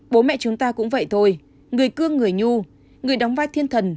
bố mẹ chúng ta cũng vậy thôi người cương người nhu người đóng vai thiên thần